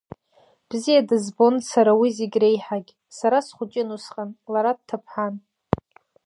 Бзиа дызбон сара уи зегь реиҳагь, сара схәыҷын усҟан, лара дҭыԥҳан.